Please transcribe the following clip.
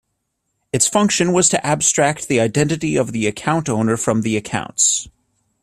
Its function was to abstract the identity of the account owner from the accounts.